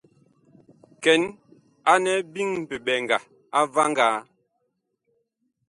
Kɛn anɛ biŋ biɓɛŋga a vaŋgaa.